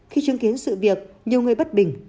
khi chứng kiến sự việc nhiều người bất bình